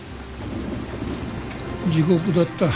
地獄だった。